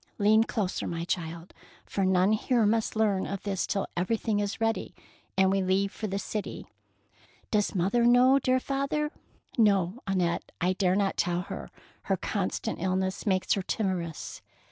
" Lean closer, my child, for none here must learn of this till everything is ready and we leave for the city.'' " Does mother know, dear father? " No, Annette, I dare not tell her ; her constant illness makes her timorous."